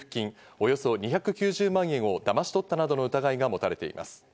およそ２９０万円をだまし取ったなどの疑いが持たれています。